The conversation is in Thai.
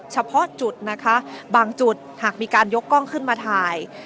เฉพาะจุดนะคะบางจุดหากมีการยกกล้องขึ้นมาถ่าย